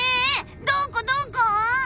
どこどこ？